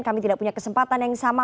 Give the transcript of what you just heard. kami tidak punya kesempatan yang sama